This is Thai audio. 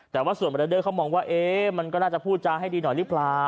แต่ว่าส่วนรายเดอร์เขามองว่ามันก็น่าจะพูดจาให้ดีหน่อยหรือเปล่า